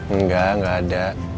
enggak enggak ada